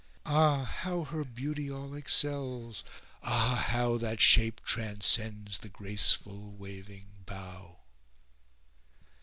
Ah, how her beauty all excels! ah how * That shape transcends the graceful waving bough!